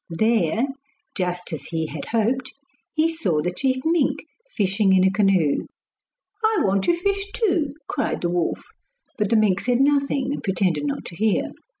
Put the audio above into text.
There, just as he had hoped, he saw the chief mink fishing in a canoe. 'I want to fish too,' cried the wolf. But the mink said nothing and pretended not to hear.